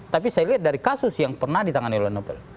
tapi saya lihat dari kasus yang pernah ditangani oleh novel